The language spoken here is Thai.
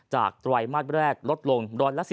จากตรวยมาสแรกลดลง๑๐๔๔